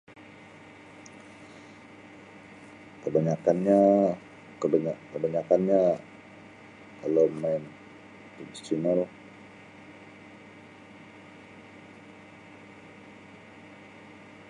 Kabanyakanyo [unintelligible] kabanyakanyo kalau bamain tradisional.